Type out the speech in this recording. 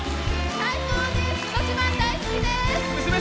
最高です！